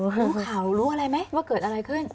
รู้ข่าวหนูรู้อะไรไหมว่าเกิดอะไรขึ้น